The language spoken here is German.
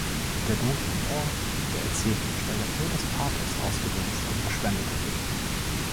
Der dunkle Humor der Erzählung steigert nur das Pathos ausgebremster und verschwendeter Leben.